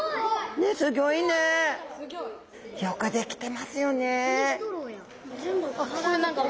よくできてますよね。